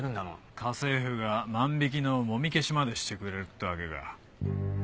家政婦が万引きの揉み消しまでしてくれるってわけか。